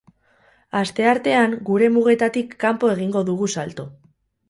Asteartean, gure mugetatik kanpo egingo dugu salto.